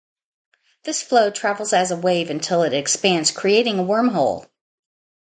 This flow travels as a wave until it expands creating a wormhole.